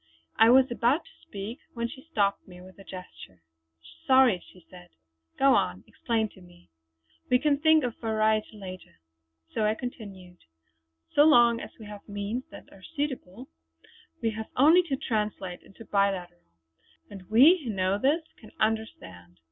I was about to speak when she stopped me with a gesture. "Sorry!" she said. "Go on; explain to me! We can think of variety later!" So I continued: "So long as we have means that are suitable, we have only to translate into the biliteral, and we who know this can understand.